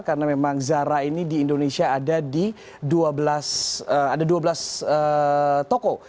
karena memang zara ini di indonesia ada di dua belas toko